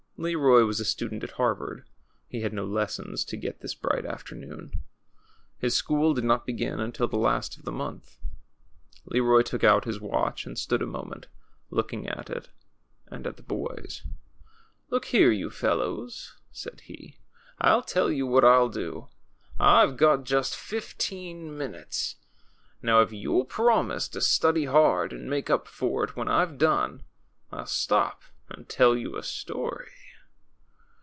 Leroy was a student at Harvard. He had no lessons to get this bright afternoon. His school did not begin until the last of the month. Leroy took out his watch and stood a moment, look ing at it and at the boys. Look here, you fellows," said he. I'll tell you what I'll do. IVe got just fifteen minutes. Now if you'll promise to study hard and make up for it when I've done. I'll stop and tell you a story."